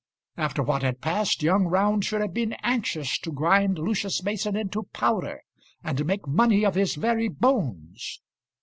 After what had passed, young Round should have been anxious to grind Lucius Mason into powder, and make money of his very bones!